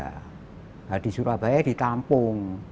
nah di surabaya ditampung